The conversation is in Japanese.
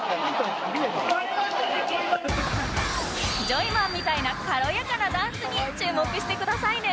ジョイマンみたいな軽やかなダンスに注目してくださいね